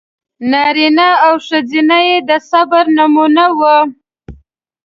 نارینه او ښځینه یې د صبر نمونه و.